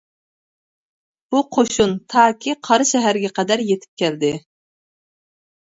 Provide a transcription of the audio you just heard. بۇ قوشۇن تاكى قاراشەھەرگە قەدەر يېتىپ كەلدى.